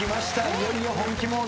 いよいよ本気モード。